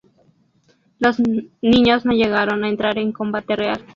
Los niños no llegaron a entrar en combate real.